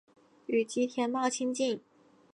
与吉田茂亲近。